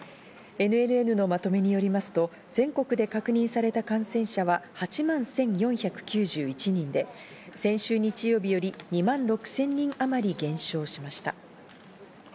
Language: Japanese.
ＮＮＮのまとめによりますと、全国で確認された感染者は８万１４９１人で先週日曜日より２万６０００人あまり減少しました。